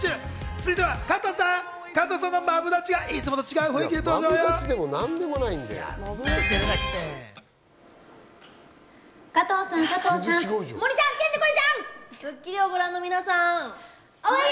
続いては加藤さん、加藤さんのマブダチがいつもと違った雰囲気で登場よ。